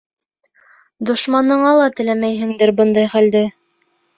Дошманыңа ла теләмәйһеңдер бындай хәлде.